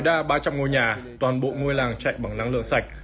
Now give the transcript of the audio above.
ngoài ra ba trăm linh ngôi nhà toàn bộ ngôi làng chạy bằng năng lượng sạch